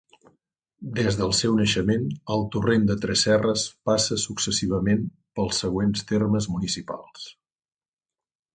Des del seu naixement, el Torrent de Tresserres passa successivament pels següents termes municipals.